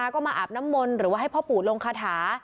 ทั้งหมดนี้คือลูกศิษย์ของพ่อปู่เรศรีนะคะ